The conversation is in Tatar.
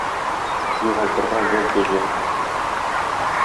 Югалтырга жәл кәҗә.